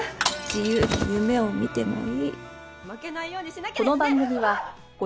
自由に夢を見てもいい。